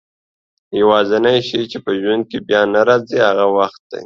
يوازينی شی چي په ژوند کي بيا نه راګرځي هغه وخت دئ